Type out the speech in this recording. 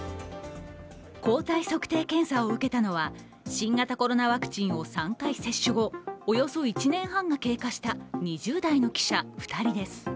抗体測定検査を受けたのは、新型コロナワクチン３回接種後、およそ１年半が経過した２０代の記者２人です。